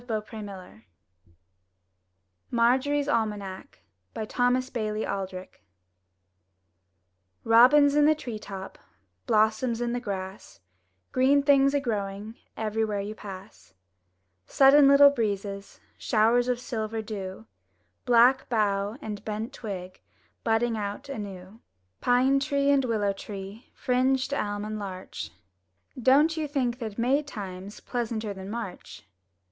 259 MY BOOK HOUSE MARJORIE'S ALMANAC* Thomas Bailey Aldrich Robins in the tree top, Blossoms in the grass, Green things a growing Everywhere you pass; Sudden little breezes. Showers of silver dew, Black bough and bent twig Budding out anew; Pine tree and willow tree, Fringed elm and larch, — Don't you think that May time's Pleasanter than March?